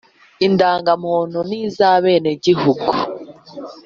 indangamuntu nizabenegihugu.